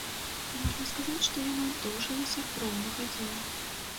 Можна сказаць, што яна доўжылася роўна гадзіну.